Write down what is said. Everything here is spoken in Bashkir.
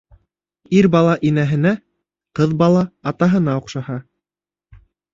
Ир бала инәһенә, ҡыҙ бала атаһына оҡшаһа